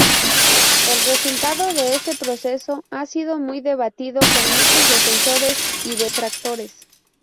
El resultado de este proceso ha sido muy debatido, con muchos defensores y detractores.